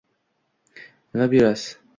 - Nima buyurasiz?